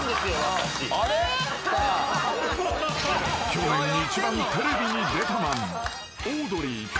［去年一番テレビに出たマン］